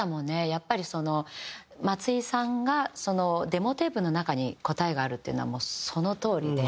やっぱりその松井さんが「デモテープの中に答えがある」って言うのはもうそのとおりで。